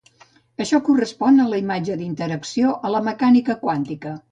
Això correspon a la imatge d'interacció a la mecànica quàntica.